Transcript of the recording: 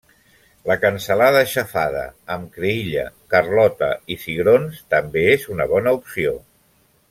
La cansalada xafada amb creïlla, carlota i cigrons també és una bona opció.